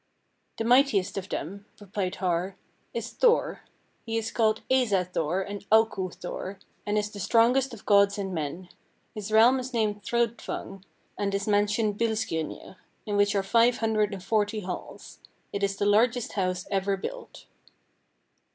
"The mightiest of them." replied Har, "is Thor. He is called Asa Thor and Auku Thor, and is the strongest of gods and men. His realm is named Thrudvang, and his mansion Bilskirnir, in which are five hundred and forty halls. It is the largest house ever built."